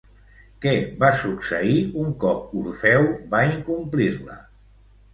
Què va succeir un cop Orfeu va incomplir-la?